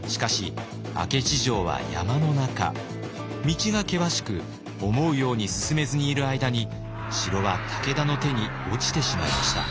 道が険しく思うように進めずにいる間に城は武田の手に落ちてしまいました。